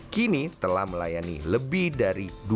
kini telah melayani lebih dari dua ratus kakak